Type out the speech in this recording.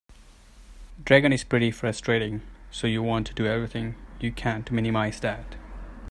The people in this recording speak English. Dragon is pretty frustrating, so you want to do everything you can to minimize that.